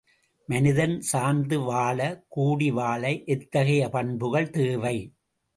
மனிதன் சார்ந்து வாழ, கூடி வாழ எத்தகைய பண்புகள் தேவை?